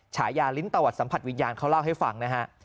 ฉายาลิ้นตะวัดสัมผัสวิญญาณเขาเล่าให้ฟังนะฮะ